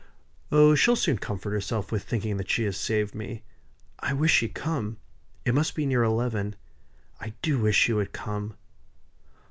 "Oh! she'll soon comfort herself with thinking that she has saved me. I wish she'd come. It must be near eleven. I do wish she would come.